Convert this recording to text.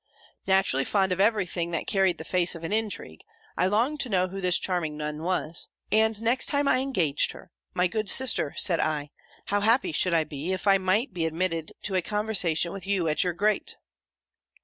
"Naturally fond of every thing that carried the face of an intrigue, I longed to know who this charming Nun was. And next time I engaged her, 'My good sister,' said I, 'how happy should I be, if I might be admitted to a conversation with you at your grate!'